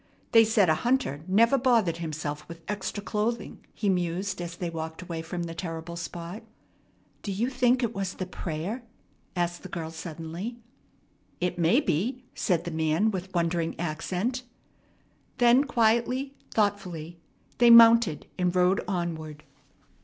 They said a hunter never bothered himself with extra clothing," he mused as they walked away from the terrible spot. "Do you think it was the prayer?" asked the girl suddenly. "It may be!" said the man with wondering accent. Then quietly, thoughtfully, they mounted and rode onward.